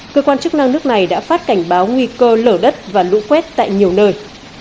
cơ quan chức năng nước này đã phát cảnh báo nguy cơ lở đất và lũ quét tại nhiều nơi